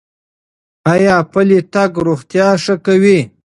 ایا پلی تګ روغتیا ښه کوي؟